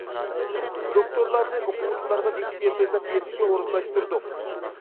دوكتورلارنى ئوقۇغۇچىلارغا لېكسىيە سۆزلەپ بېرىشكە ئورۇنلاشتۇردۇق.